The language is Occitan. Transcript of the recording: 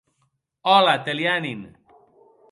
Òla, Telianin!